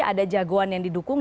ada jagoan yang didukung